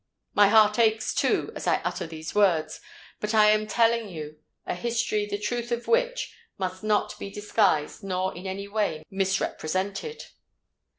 My heart aches, too, as I utter these words: but I am telling you a history, the truth of which must not be disguised nor in any way misrepresented.